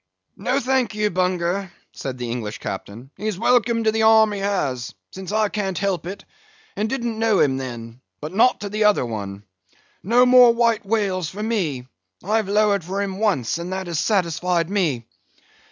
"No, thank ye, Bunger," said the English Captain, "he's welcome to the arm he has, since I can't help it, and didn't know him then; but not to another one. No more White Whales for me; I've lowered for him once, and that has satisfied me.